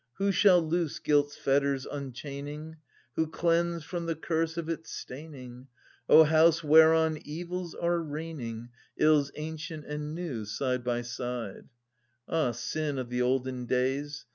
Who shall loose guilt's fetters enchaining ? Who cleanse from the curse of its staining ? Oh house whereon evils are raining — 740 Ills ancient and new side by side ! [Ant. 2) Ah sin of the olden days